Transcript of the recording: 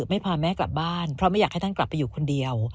ไม่พาแม่กลับบ้านเพราะไม่อยากให้ท่านกลับไปอยู่คนเดียว